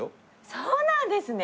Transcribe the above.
そうなんですね！